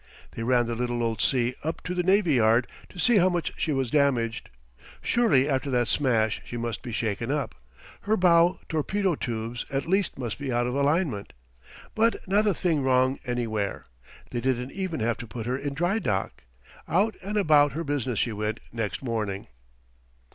They ran the little old C up to the navy yard to see how much she was damaged. Surely after that smash she must be shaken up her bow torpedo tubes at least must be out of alignment! But not a thing wrong anywhere; they didn't even have to put her in dry dock. Out and about her business she went next morning.